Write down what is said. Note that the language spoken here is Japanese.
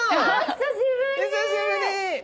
久しぶり！